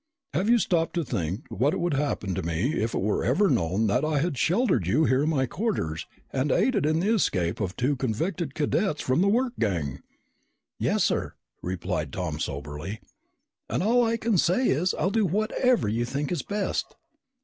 Have you stopped to think what would happen to me if it were ever known that I had sheltered you here in my quarters and aided in the escape of two convicted cadets from the work gang?" "Yes, sir," replied Tom soberly. "And all I can say is I'll do whatever you think is best."